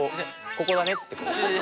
ここだねって。